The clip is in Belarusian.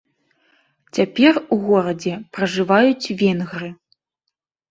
Цяпер у горадзе пражываюць венгры.